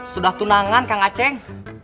sudah tunangan kang acing